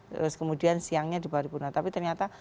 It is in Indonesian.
terus kemudian siangnya di paripurna tapi ternyata